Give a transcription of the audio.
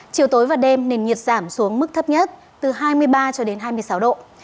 chiều tối và đêm nên nhiệt giảm xuống mức thấp nhất từ hai mươi ba hai mươi sáu độ